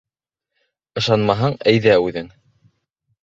— Ышанмаһаң, әйҙә үҙең!